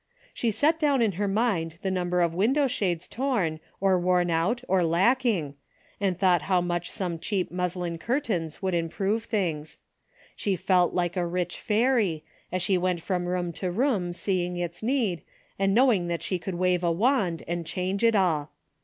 She set down in her mind the number of window shades torn, or worn out or lacking, and thought how much some cheap muslin curtains would im prove things. She felt like a rich fairy, as she went from room to room seeing its need, and knowing that she could wave a wand and chano e it all.